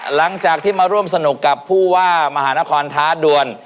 หลังจากที่มาร่วมสนุกกับผู้ว่ามหานครท้าด่วน